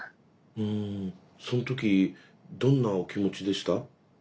うんその時どんなお気持ちでした？